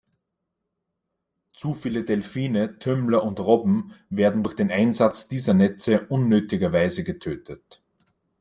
Zu viele Delfine, Tümmler und Robben werden durch den Einsatz dieser Netze unnötigerweise getötet.